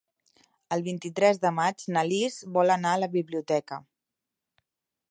El vint-i-tres de maig na Lis vol anar a la biblioteca.